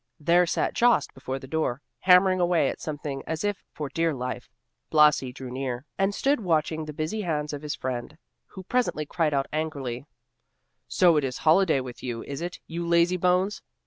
There sat Jost before the door, hammering away at something as if for dear life. Blasi drew near, and stood watching the busy hands of his friend, who presently cried out angrily, "So it is holiday with you, is it, you lazy bones?